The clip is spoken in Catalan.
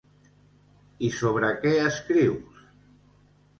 I sobre què escrius?